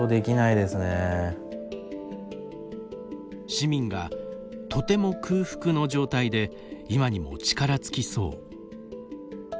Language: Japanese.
市民が「とても空腹」の状態で今にも力尽きそう。